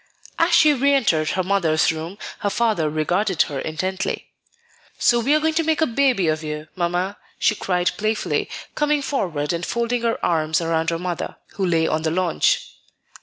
As she re entered her mother's room, her father regarded her intently. "So we are going to make a baby of you, Mamma," she cried playfully, coming forward and folding her arms around her mother, who lay on the lounge.